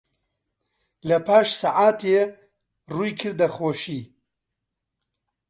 لەپاش سەعاتێ ڕووی کردە خۆشی